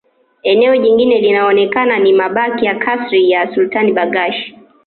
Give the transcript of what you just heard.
Eneo jingine linaloonekana ni mabaki ya kasri la Sultan Barghash